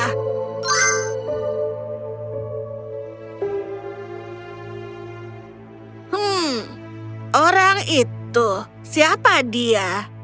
hmm orang itu siapa dia